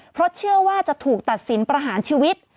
เพราะเชื่อว่าจะถูกตัดสินประหารชีวิต